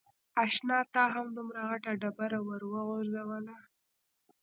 اشنا تا هم دومره غټه ډبره ور و غورځوله.